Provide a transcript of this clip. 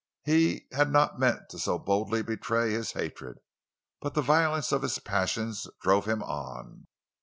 He had not meant to so boldly betray his hatred, but the violence of his passions drove him on.